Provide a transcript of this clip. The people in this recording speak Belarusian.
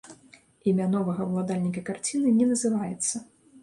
Імя новага ўладальніка карціны не называецца.